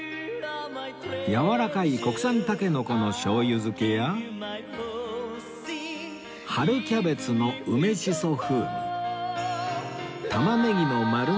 やわらかい国産竹の子の醤油漬や春キャベツの梅しそ風味玉ねぎの丸ごと